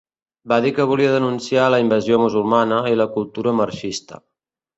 Va dir que volia denunciar la ‘invasió musulmana’ i la ‘cultura marxista’.